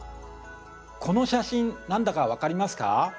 この写真何だか分かりますか？